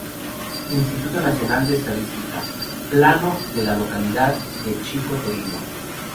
Instituto Nacional de Estadística: "Plano de la localidad de Chico Torino"